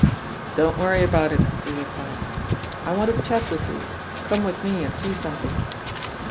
"Don't worry about it," he replies. "I want a chat with you. Come with me and see something."